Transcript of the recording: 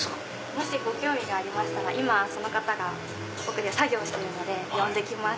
もしご興味がありましたら今その方が奥で作業してるので呼んできます。